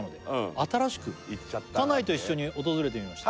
新しく行っちゃった「家内と一緒に訪れてみました」